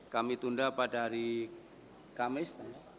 kami tunda pada hari kamis